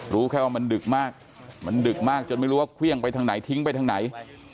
รู้แค่ว่ามันดึกมากมันดึกมากจนไม่รู้ว่าเครื่องไปทางไหนทิ้งไปทางไหน